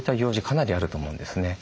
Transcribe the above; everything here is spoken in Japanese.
かなりあると思うんですね。